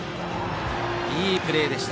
いいプレーでした。